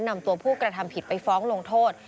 นำตัวผู้กระทำผิดไปฟ้องลงโทษ